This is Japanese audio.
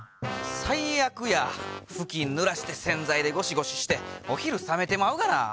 最悪やふきんぬらして洗剤でゴシゴシしてお昼冷めてまうがな。